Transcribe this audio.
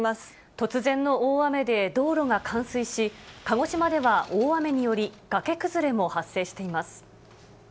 突然の大雨で道路が冠水し、鹿児島では、大雨により、崖崩れも発生しています。